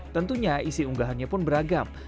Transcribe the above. tentunya isi unggahannya pun beragam